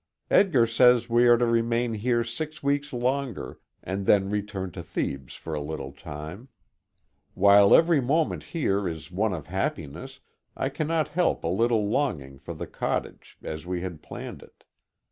Edgar says we are to remain here six weeks longer, and then return to Thebes for a little time. While every moment here is one of happiness, I cannot help a little longing for the cottage, as we had planned it.